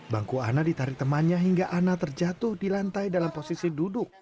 bangku ana ditarik temannya hingga ana terjatuh di lantai dalam posisi duduk